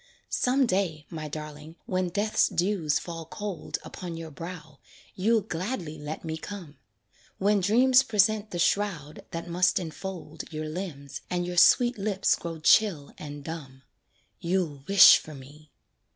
Some day, my darling, when Death's dews fall cold Upon your brow, you'll gladly let me come When dreams present the shroud that must enfold Your limbs, and your sweet lips grow chill and dumb, You'll wish for me.